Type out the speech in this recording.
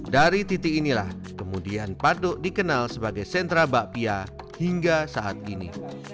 dari titik inilah kemudian pado dikenal sebagai sentra bakpia hingga saat ini